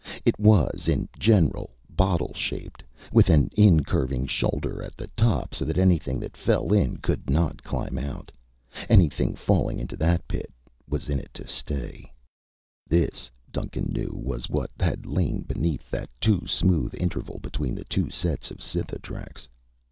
It was, in general, bottle shaped, with an incurving shoulder at the top so that anything that fell in could not climb out. Anything falling into that pit was in to stay. This, Duncan knew, was what had lain beneath that too smooth interval between the two sets of Cytha tracks.